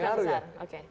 nggak akan besar oke